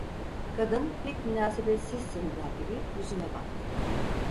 Kadın, "Pek münasebetsizsin" der gibi yüzüme baktı: